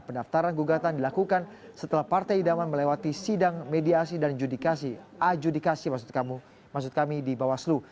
pendaftaran gugatan dilakukan setelah partai idaman melewati sidang mediasi dan adjudikasi di bawaslu